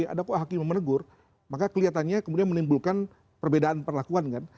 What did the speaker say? ada kok hakim yang menegur maka kelihatannya kemudian menimbulkan perbedaan perlakuan kan